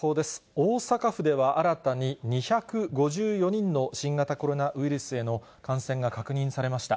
大阪府では新たに、２５４人の新型コロナウイルスへの感染が確認されました。